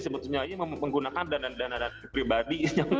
sebetulnya ini menggunakan dana dana pribadi